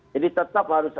jadi tetap harus